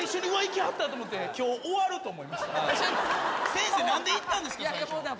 先生何で行ったんですか最初。